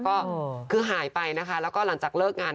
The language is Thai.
ก็คือหายไปนะคะแล้วก็หลังจากเลิกงาน